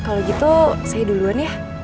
kalau gitu saya duluan ya